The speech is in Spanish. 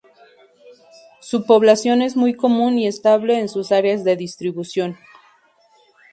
Su población es muy común y estable en sus áreas de distribución.